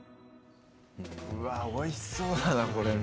おいしそうだなこれも。